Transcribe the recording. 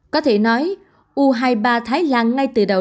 có thể nói u hai mươi ba thái lan ngay từ đầu